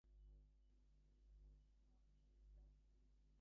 Apart from boxing he also works as an ambulance driver.